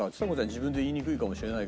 自分で言いにくいかもしれないけど。